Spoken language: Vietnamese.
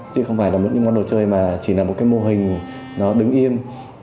chứ không phải là những món đồ chơi mà chỉ là một cái mô hình nó đứng yên